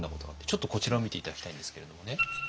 ちょっとこちらを見て頂きたいんですけれどもね。